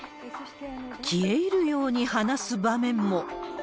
消え入るように話す場面も。